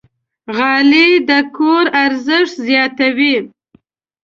غالۍ د کور ارزښت زیاتوي.